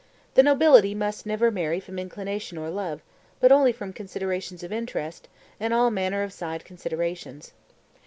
The nobility must never marry from inclination or love, but only from considerations of interest, and all manner of side considerations.